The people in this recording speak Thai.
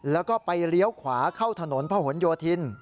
แล้วก็ไปเลี้ยวขวาเข้าถนนพระหลโยธิน